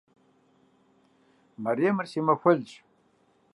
Мэремыр си махуэлщ.